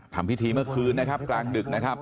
ทำพิธีเมื่อคืนนะครับกลางดึกนะครับ